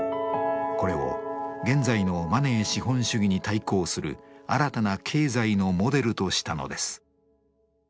これを現在のマネー資本主義に対抗する新たな経済のモデルとしたのです。